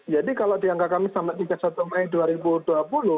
jadi kalau dianggap kami sampai tiga puluh satu mei dua ribu dua puluh